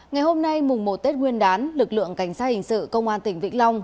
ngày hôm nay mùng một tết nguyên đán lực lượng cảnh sát hình sự công an tỉnh vĩnh long